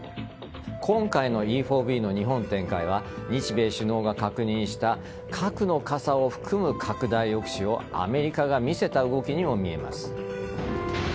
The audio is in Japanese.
今回のＥ‐４Ｂの日本展開は日米首脳が確認した核の傘を含む拡大抑止をアメリカが見せた動きにも見えます。